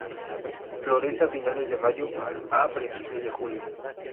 Florece a finales de mayo a principios de julio.